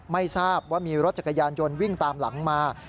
ไม่ทราบว่ามีรถจักรยานยนต์วิ่งตามหลังมา